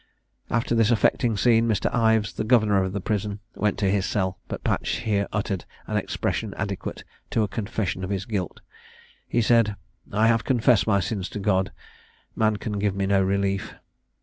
After this affecting scene, Mr. Ives, the governor of the prison, went to his cell, and Patch here uttered an expression adequate to a confession of his guilt. He said, "I have confessed my sins to God; man can give me no relief."